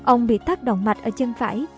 ông bị tắc đỏng mạch ở chân phải